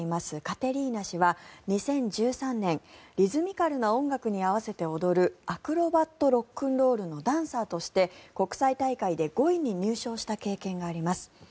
カテリーナ氏は、２０１３年リズミカルな音楽に合わせて踊るアクロバットロックンロールのダンサーとして、国際大会で５位に入賞した経験があります。